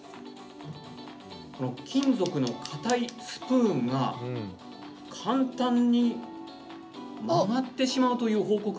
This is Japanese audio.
この金属の硬いスプーンが簡単に曲がってしまうという報告が相次いでいます。